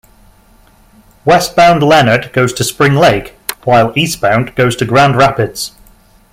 Westbound Leonard goes to Spring Lake, while eastbound goes to Grand Rapids.